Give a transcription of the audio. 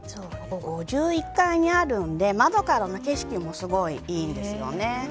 ５１階にあるので窓からの景色もすごいいいですよね。